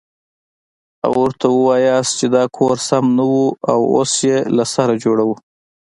او ورته ووايې چې دا کور سم نه و اوس يې له سره جوړوه.